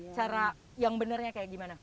cara yang benarnya kayak gimana